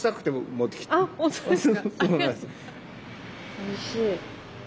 おいしい。